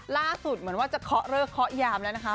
เหมือนว่าจะเคาะเลิกเคาะยามแล้วนะคะ